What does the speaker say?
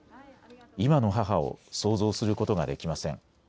今の母を想像することができません。